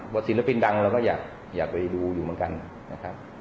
เพราะศิลปินดังเราก็อยากก็อยากไปดูอยู่มันกันนะครับ